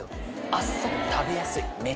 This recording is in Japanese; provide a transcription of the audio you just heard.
あっさり食べやすい。